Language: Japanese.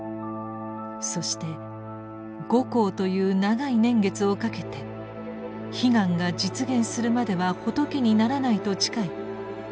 そして「五劫」という長い年月をかけて悲願が実現するまでは仏にならないと誓い苦行を重ねました。